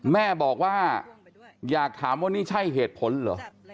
แม่บอกว่าอยากถามว่านี่ใช่เหตุผลเหรอ